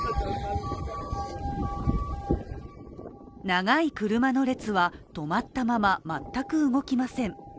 長い車の列は止まったまま全く動きません。